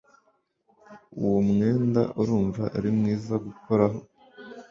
Uwo mwenda urumva ari mwiza gukoraho